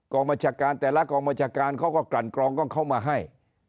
กองบริหารแต่ละกองบริหารเค้าก็กรรมกองเข้ามาให้